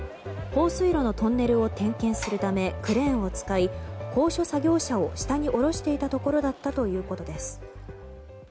放水路のトンネルを点検するためクレーンを使い高所作業車を下に下ろしていたところだったということです。